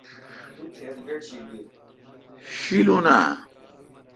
شیلون اں۔